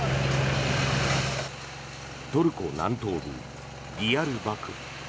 トルコ南東部ディヤルバクル。